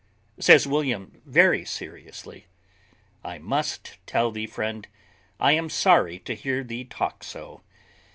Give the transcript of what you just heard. Says William very seriously, "I must tell thee, friend, I am sorry to hear thee talk so.